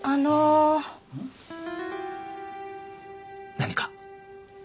何か？